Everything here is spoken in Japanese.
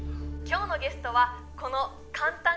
今日のゲストはこの「簡単！